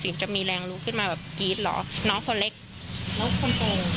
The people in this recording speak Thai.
จะมีแรงรู้ขึ้นมาแบบกรี๊ดเหรอน้องคนเล็กแล้วคนโต